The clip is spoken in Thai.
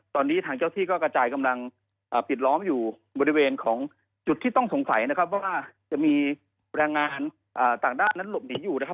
ตอนนี้ทางเจ้าที่ก็กระจายกำลังปิดล้อมอยู่บริเวณของจุดที่ต้องสงสัยนะครับว่าจะมีแรงงานต่างด้าวนั้นหลบหนีอยู่นะครับ